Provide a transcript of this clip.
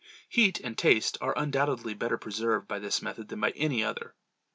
Heat and taste are undoubtedly better preserved by this method than by any other.